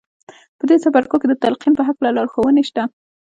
په دې څپرکو کې د تلقین په هکله لارښوونې شته